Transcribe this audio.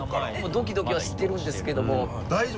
ドキドキはしてるんですけども。